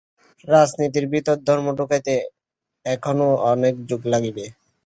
রাজনীতির ভিতর ধর্ম ঢুকাইতে এখনও অনেক যুগ লাগিবে।